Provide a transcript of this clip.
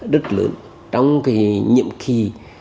rất lớn trong cái nhiệm kỳ